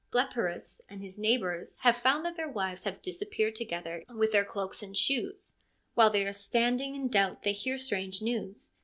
Blepyrus and his neighbours have found that their wives have disappeared together with their cloaks and ARISTOPHANES 165 shoes. While they are standing in doubt they hear strange news.